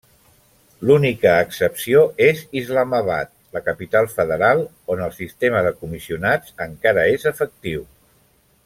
L'única excepció es Islamabad, la capital federal, on el sistema de comissionats encara és efectiu.